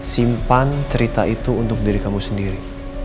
simpan cerita itu untuk diri kamu sendiri